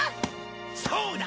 そうだ！